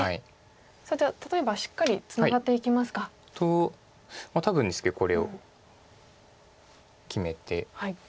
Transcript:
じゃあ例えばしっかりツナがっていきますか。と多分ですけどこれを決めて。